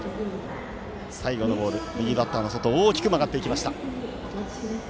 最後のボール、右バッターの外大きく曲がっていきました。